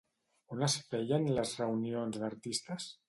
On es feien les reunions d'artistes?